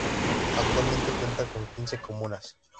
Actualmente cuenta con quince comunas.